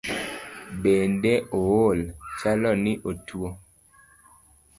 Denda ool, chalo ni atuo